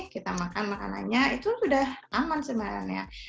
kita makan makanannya itu sudah aman sebenarnya